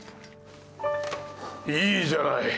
いいじゃない。